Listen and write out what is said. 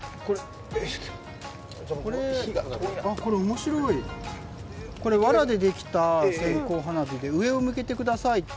これ、面白い、わらでできた線香花火で、上を向けてくださいって。